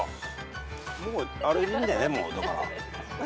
もうあれでいいんだよねだから。